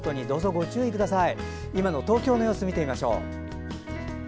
ご注意ください。